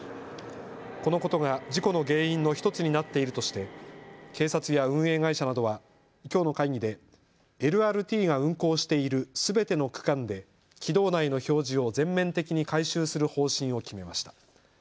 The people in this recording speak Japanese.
このことが事故の原因の１つになっているとして警察や運営会社などはきょうの会議でＬＲＴが運行しているすべての区間で軌道内の表示を全面的に改修する方針を決めました。